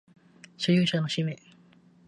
所有者の氏名